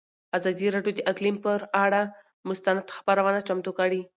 ازادي راډیو د اقلیم پر اړه مستند خپرونه چمتو کړې.